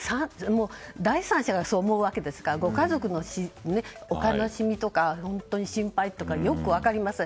第三者がそう思うわけですからご家族の悲しみとか心配とかよく分かります。